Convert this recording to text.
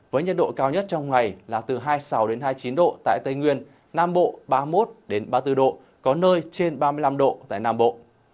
với nhiệt độ cao nhất trong ngày là từ hai mươi sáu hai mươi chín độ tại tây nguyên nam bộ ba mươi một ba mươi bốn độ có nơi trên ba mươi năm độ tại nam bộ